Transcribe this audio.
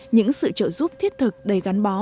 những sự trợ giúp thiết thực đầy gắn bó